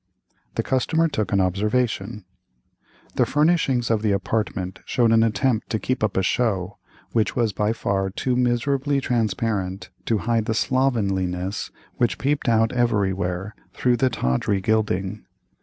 The customer took an observation: The furnishings of the apartment showed an attempt to keep up a show, which was by far too miserably transparent to hide the slovenliness which peeped out everywhere through the tawdry gilding.